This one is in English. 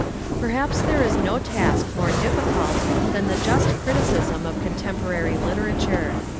Perhaps there is no task more difficult than the just criticism of contemporary literature.